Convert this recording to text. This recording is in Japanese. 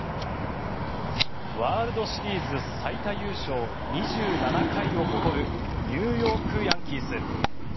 ワールドシリーズ最多優勝２７回を誇るニューヨーク・ヤンキース。